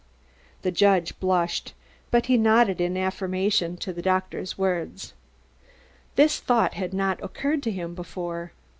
The judge blushed, but he nodded in affirmation to the doctor's words. This thought had not occurred to him before.